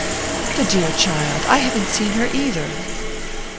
"The dear child! I haven't seen her either."